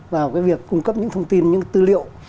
vào cái việc cung cấp những thông tin những tư liệu